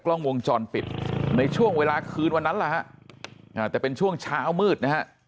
ตอนปิดในช่วงเวลาคืนวันนั้นนะฮะแต่เป็นช่วงเช้ามืดนะฮะ